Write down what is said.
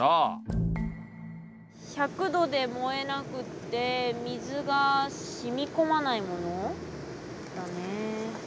１００度で燃えなくって水が染み込まないものだね。